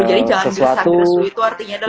jadi jangan gersa gersu itu artinya adalah